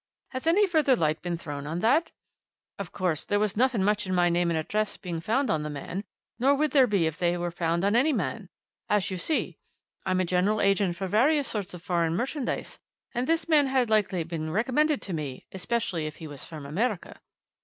Has any further light been thrown on that? Of course, there was nothing much in my name and address being found on the man, nor would there be if they were found on any man. As you see, I'm a general agent for various sorts of foreign merchandise, and this man had likely been recommended to me especially if he was from America."